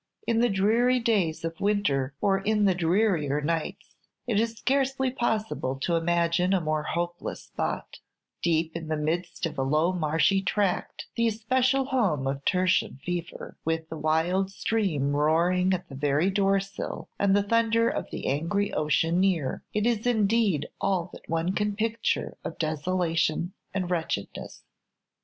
In the dreary days of winter, or in the drearier nights, it is scarcely possible to imagine a more hopeless spot; deep in the midst of a low marshy tract, the especial home of tertian fever, with the wild stream roaring at the very door sill, and the thunder of the angry ocean near, it is indeed all that one can picture of desolation and wretchedness.